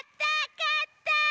かった！